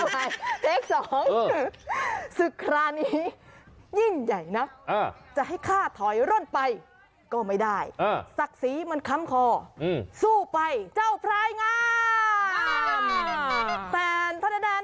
เทป๒ศึกราณนี้ยิ่งใหญ่นักจะให้ข้าถอยร่วนไปก็ไม่ได้ศักดิ์ศรีเหมือนคำคอสู้ไปเจ้าพลายงาม